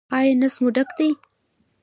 ایا نس مو ډک دی؟